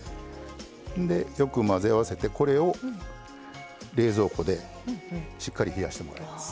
でよく混ぜ合わせてこれを冷蔵庫でしっかり冷やしてもらいます。